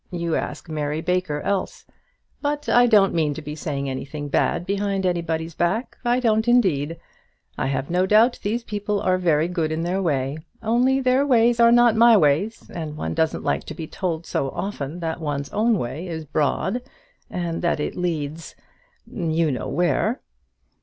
You ask Mary Baker else. But I don't mean to be saying anything bad behind anybody's back; I don't indeed. I have no doubt these people are very good in their way; only their ways are not my ways; and one doesn't like to be told so often that one's own way is broad, and that it leads you know where.